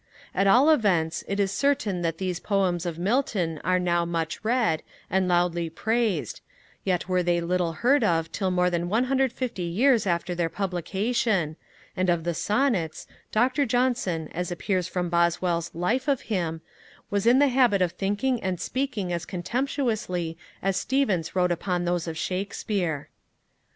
At all events, it is certain that these Poems of Milton are now much read, and loudly praised, yet were they little heard of till more than 150 years after their publication, and of the Sonnets, Dr. Johnson, as appears from Boswell's Life of him, was in the habit of thinking and speaking as contemptuously as Steevens wrote upon those of Shakespeare.